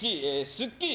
スッキリ！